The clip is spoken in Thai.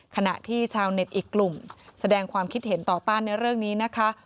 ขณะที่ชาวเน็ตอีกกลุ่มแสดงความคิดเห็นต่อต้านในเรื่องนี้นะคะ